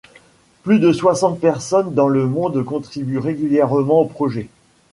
Plus de soixante personnes dans le monde contribuent régulièrement au projet.